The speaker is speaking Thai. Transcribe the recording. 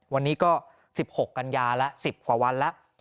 วันนี้ก็๑๖กันยาแล้ว๑๐กว่าวันแล้ว